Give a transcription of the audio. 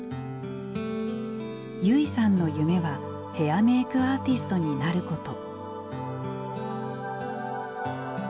優生さんの夢はヘアメークアーティストになること。